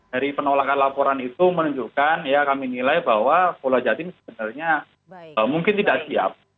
dari penolakan laporan itu menunjukkan ya kami nilai bahwa polda jatim sebenarnya mungkin tidak siap